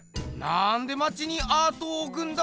なんでまちにアートをおくんだ？